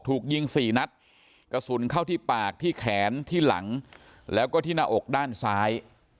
ถูกยิงสี่นัดกระสุนเข้าที่ปากที่แขนที่หลังแล้วก็ที่หน้าอกด้านซ้าย